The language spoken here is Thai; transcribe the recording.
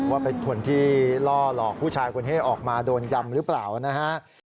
ว่าเป็นคนที่ล่อหลอกผู้ชายคนนี้ออกมาโดนยำหรือเปล่านะฮะ